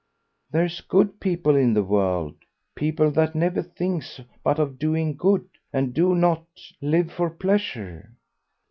"There's good people in the world, people that never thinks but of doing good, and do not live for pleasure."